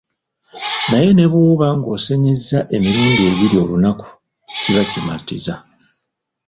Naye ne bw'oba ng'osenyezza emirundi ebiri olunaku kiba kimatiza.